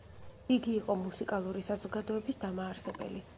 იგი იყო მუსიკალური საზოგადოების დამაარსებელი.